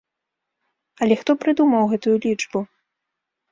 Але хто прыдумаў гэтую лічбу?!